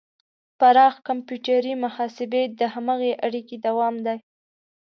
پراخ کمپیوټري محاسبې د هماغې اړیکې دوام دی.